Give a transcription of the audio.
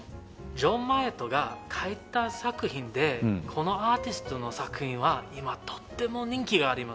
ジョン・マイアットが描いた作品でこのアーティストの作品は今とっても人気があります。